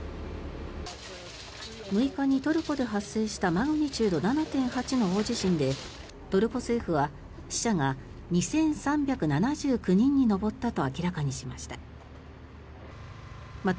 ６日にトルコで発生したマグニチュード７．８の大地震でトルコ政府は死者が２３７９人に上ったと明らかにしました。